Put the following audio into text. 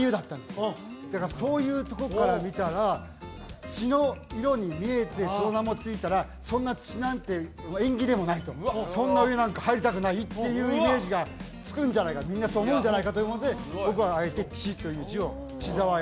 だからそういうとこから見たら血の色に見えてその名も付いたらそんな血なんて縁起でもないとそんなお湯なんか入りたくないっていうイメージがつくんじゃないかみんなそう思うんじゃないかということで僕はあえて「血」という字を血沢